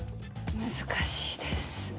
難しいです。